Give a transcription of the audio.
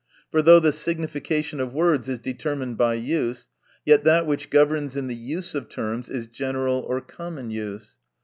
For though the signification of words is determined by use, yet that which governs in the use of terms is general or common use.